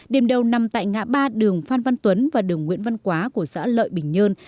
điểm đầu nằm tại ngã ba đường phan văn tuấn và đường nguyễn văn quá của xã lợi bình nhơn